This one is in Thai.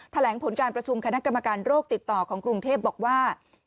แถลงผลการประชุมคณะกรรมการโรคติดต่อของกรุงเทพบอกว่า